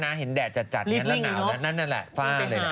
เพราะถ้าเห็นแดดจัดแล้วนาวนั้นฝ้าเลยนะครับ